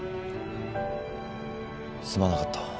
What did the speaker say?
すまなかった。